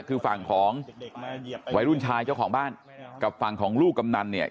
คือฝั่งของวัยรุ่นชายเจ้าของบ้านกับฝั่งของลูกกำนันเนี่ย